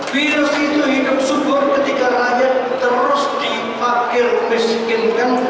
virus itu hidup syukur ketika rakyat terus dipakir miskinkan